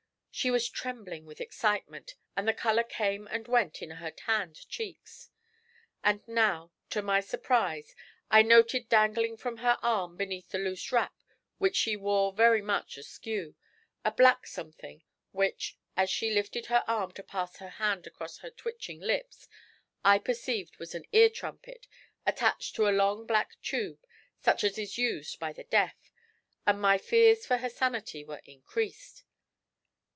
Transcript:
She was trembling with excitement, and the colour came and went in her tanned cheeks. And now, to my surprise, I noted dangling from her arm beneath the loose wrap, which she wore very much askew, a black something, which, as she lifted her arm to pass her hand across her twitching lips, I perceived was an ear trumpet attached to a long black tube such as is used by the deaf, and my fears for her sanity were increased.